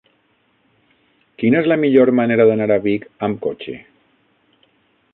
Quina és la millor manera d'anar a Vic amb cotxe?